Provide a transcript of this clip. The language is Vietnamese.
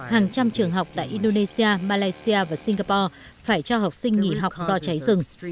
hàng trăm trường học tại indonesia malaysia và singapore phải cho học sinh nghỉ học do cháy rừng